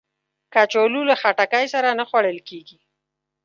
کچالو له خټکی سره نه خوړل کېږي